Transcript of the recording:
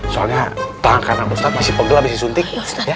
soalnya tangan ustadz masih panggil abis disuntik